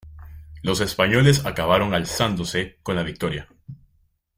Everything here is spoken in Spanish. Los españoles acabaron alzándose con la victoria.